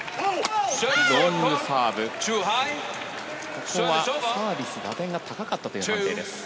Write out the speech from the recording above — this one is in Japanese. ここはサービスの打点が高かったという判定です。